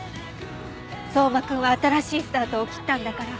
相馬くんは新しいスタートを切ったんだから。